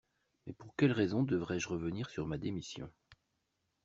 Mais pour quelle raison devrais-je revenir sur ma démission?